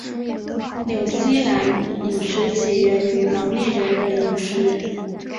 纽西兰饮食起源于毛利人的饮食。